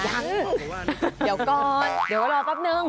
ยังเดี๋ยวก่อนเดี๋ยวก็รอกับหนึ่ง